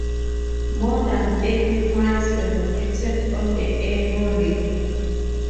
More than thirty mills were located on the Eno River.